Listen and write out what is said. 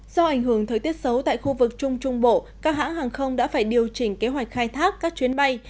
do ảnh hưởng thời tiết xấu tại khu vực trung trung bộ các hãng hàng không đã phải điều chỉnh kế hoạch khai thác các chuyến bay